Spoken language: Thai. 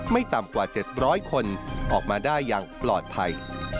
ไม่ต่ำกว่า๗๐๐คนออกมาได้อย่างปลอดภัย